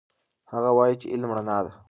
هغه وایي چې علم رڼا ده.